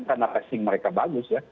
karena testing mereka bagus ya